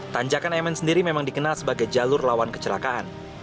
tanjakan mn sendiri memang dikenal sebagai jalur lawan kecelakaan